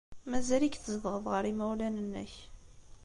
Mazal-ik tzedɣeḍ ɣer yimawlan-nnek.